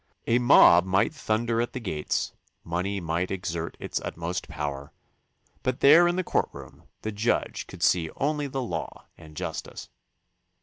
A mob might thunder at the gates, money might exert its utmost power, but there in the courtroom the judge could see only the law and justice.